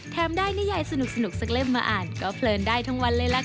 ได้นิยายสนุกสักเล่มมาอ่านก็เพลินได้ทั้งวันเลยล่ะค่ะ